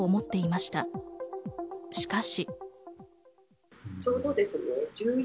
しかし。